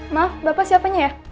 maaf bapak siapanya ya